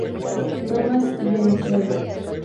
Thomas y Venezuela.